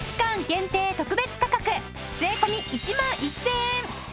限定特別価格税込１万１０００円。